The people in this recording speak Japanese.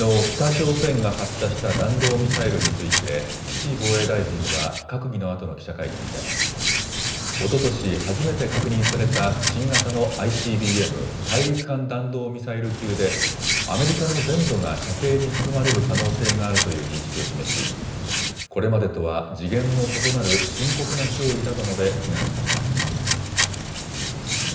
北朝鮮が発射した弾道ミサイルについて岸防衛大臣は閣議のあとの記者会見でおととし初めて確認された新型のＩＣＢＭ・大陸間弾道ミサイル級でアメリカの全土が射程に含まれる可能性があるという認識を示しこれまでとは次元の異なる深刻な脅威だと述べ非難しました。